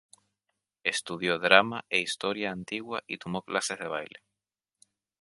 Estudió drama e historia antigua y tomó clases de baile.